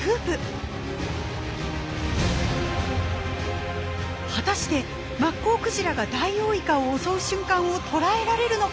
果たしてマッコウクジラがダイオウイカを襲う瞬間を捉えられるのか。